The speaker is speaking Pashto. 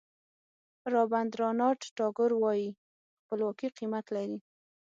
رابندراناټ ټاګور وایي خپلواکي قیمت لري.